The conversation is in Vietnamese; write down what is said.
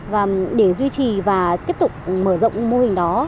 và để duy trì và tiếp tục mở rộng mô hình đó